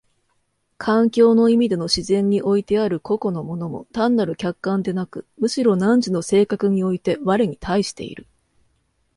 環境の意味での自然においてある個々の物も単なる客観でなく、むしろ汝の性格において我に対している。